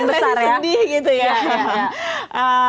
ini yang paling sedih gitu ya